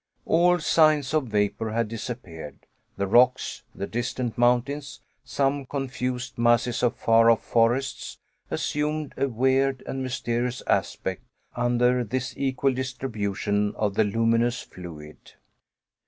All signs of vapor had disappeared. The rocks, the distant mountains, some confused masses of far off forests, assumed a weird and mysterious aspect under this equal distribution of the luminous fluid!